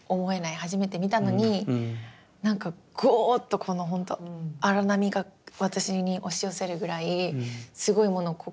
初めて見たのになんかゴーッとこのほんと荒波が私に押し寄せるぐらいすごいもの。